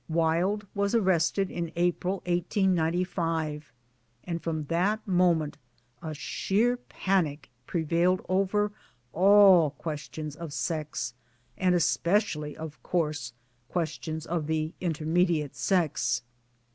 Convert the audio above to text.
Wilde was arrested in April 1895 an< ^ from that moment a sheer panic prevailed over alt questions of sex, and especially of course questions of the Inter mediate Sex.